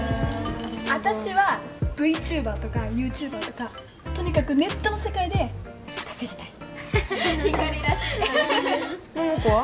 私はＶＴｕｂｅｒとかＹｏｕＴｕｂｅｒとかとにかくネットの世界で稼ぎたいひかりらしい桃子は？